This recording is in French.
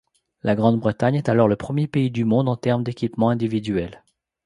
La Grande-Bretagne est alors le premier pays du monde en termes d’équipement individuel.